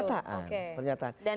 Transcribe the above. dan itu yang akan dipulangkan